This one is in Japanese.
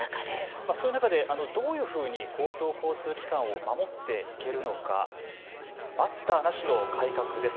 そういう中でどういうふうに公共交通機関を守っていけるのか待ったなしの改革です。